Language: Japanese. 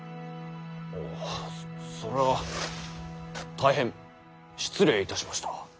それは大変失礼いたしました。